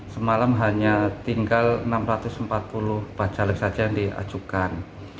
semalam hanya tinggal enam ratus empat puluh bacalek saja yang diajukan